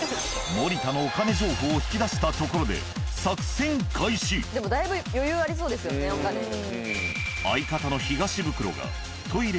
森田のお金情報を引き出したところででもだいぶ余裕ありそうですよねお金に。